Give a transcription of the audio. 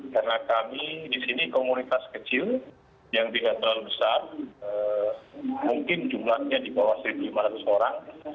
karena kami di sini komunitas kecil yang tidak terlalu besar mungkin jumlahnya di bawah satu lima ratus orang